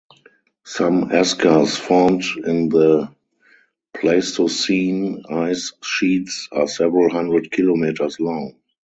Some eskers formed in the Pleistocene ice sheets are several hundred kilometers long.